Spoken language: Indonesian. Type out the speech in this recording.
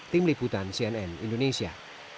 tim liputan cnn indonesia